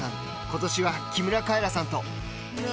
今年は木村カエラさんと。